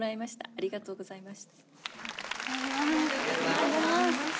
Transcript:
ありがとうございます。